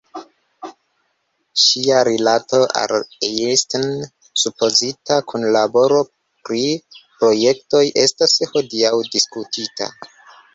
Ŝia rilato al Einstein, supozita kunlaboro pri projektoj estas hodiaŭ diskutita.